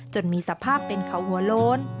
มีสภาพเป็นเขาหัวโล้น